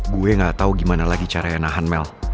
gue gak tau gimana lagi caranya nahan mel